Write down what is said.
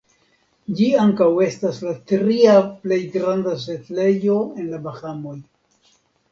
Ĝi ankaŭ estas la tria plej granda setlejo en la Bahamoj.